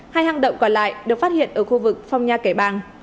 hai hang động còn lại được phát hiện ở khu vực phong nha kẻ bàng